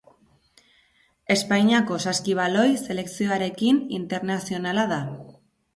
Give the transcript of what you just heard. Espainiako saskibaloi selekzioarekin internazionala da.